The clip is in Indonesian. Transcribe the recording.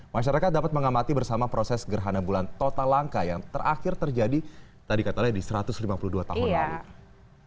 masyarakat dapat mengamati bersama proses gerhana bulan total langka yang terakhir terjadi tadi katanya di satu ratus lima puluh dua tahun lalu